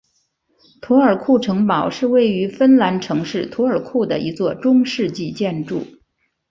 图尔库城堡是位于芬兰城市图尔库的一座中世纪建筑。